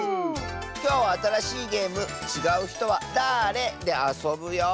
きょうはあたらしいゲーム「ちがうひとはだれ？」であそぶよ。